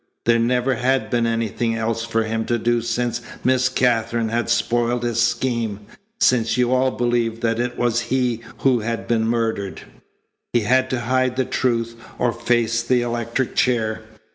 There never had been anything else for him to do since Miss Katherine had spoiled his scheme, since you all believed that it was he who had been murdered. He had to hide the truth or face the electric chair.